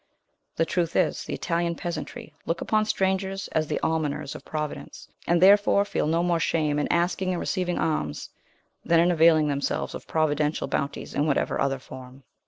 The truth is, the Italian peasantry look upon strangers as the almoners of Providence, and therefore feel no more shame in asking and receiving alms, than in availing themselves of providential bounties in whatever other form.